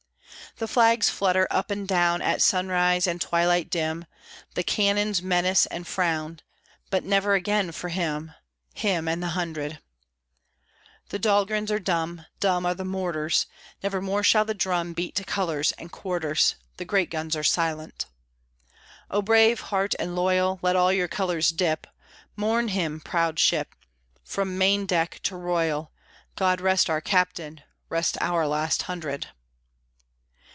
The flags flutter up and down At sunrise and twilight dim, The cannons menace and frown, But never again for him, Him and the hundred. The Dahlgrens are dumb, Dumb are the mortars; Never more shall the drum Beat to colors and quarters, The great guns are silent. O brave heart and loyal! Let all your colors dip; Mourn him proud ship! From main deck to royal. God rest our Captain, Rest our lost hundred!